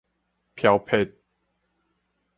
飄撇